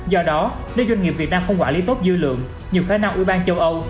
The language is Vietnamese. do đó nếu doanh nghiệp việt nam không quản lý tốt dư lượng nhiều khả năng ủy ban châu âu